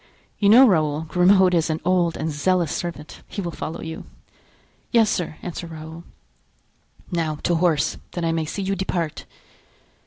You know, Raoul, Grimaud is an old and zealous servant; he will follow you." "Yes, sir," answered Raoul. "Now to horse, that I may see you depart!"